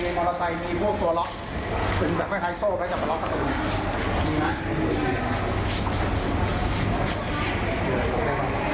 ตัวให้ดูกันส่งละภาพลังท้ายที่ที่อีก